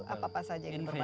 itu apa saja yang diperbaiki